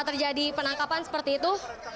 terjadi penangkapan seperti itu